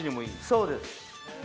そうです。